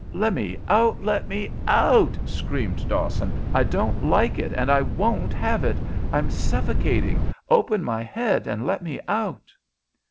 "Let me out! Let me out!" screamed Dawson. "I don't like it, and I won't have it. I'm suffocating. Open my head and let me out."